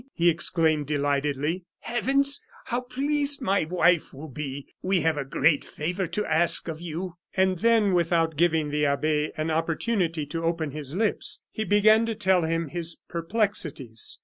he exclaimed, delightedly. "Heavens! how pleased my wife will be. We have a great favor to ask of you " And then, without giving the abbe an opportunity to open his lips, he began to tell him his perplexities.